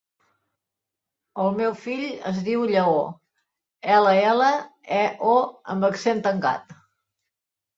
El meu fill es diu Lleó: ela, ela, e, o amb accent tancat.